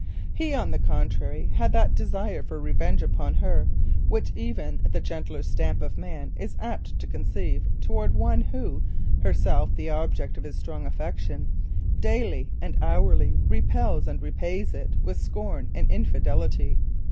He, on the contrary, had that desire for revenge upon her which even the gentler stamp of man is apt to conceive towards one who, herself the object of his strong affection, daily and hourly repels and repays it with scorn and infidelity.